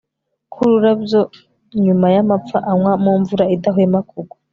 Nkururabyo nyuma y amapfa anywa mumvura idahwema kugwa